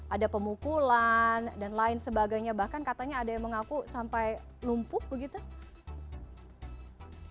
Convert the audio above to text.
ada pemukulan dan lain sebagainya bahkan katanya ada yang mengaku sampai lumpuh begitu